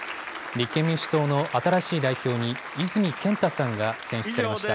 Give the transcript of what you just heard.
立憲民主党の新しい代表に、泉健太さんが選出されました。